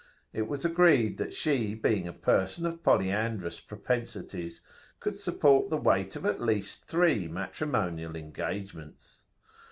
it was agreed that she, being a person of polyandrous propensities, could support the weight of at least three matrimonial engagements.